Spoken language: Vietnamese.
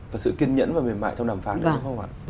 và sự kiên nhẫn và mềm mại trong đàm phán ra không ạ